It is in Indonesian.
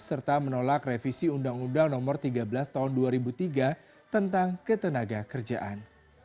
serta menolak revisi undang undang nomor tiga belas tahun dua ribu tiga tentang ketenaga kerjaan